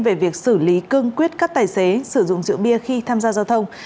về việc xử lý cương quyết các tài xế sử dụng rượu bia khi tham gia giao thông